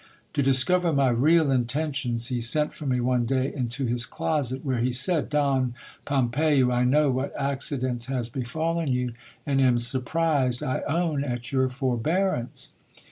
To discover my real intentions, he sent for me one day into his closet, where he said : Don Pompeyo, I know what accident has befallen you, and am surprised, I own, at your forbearance.